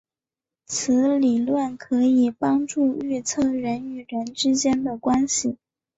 此理论可以帮助预测人与人之间的关系。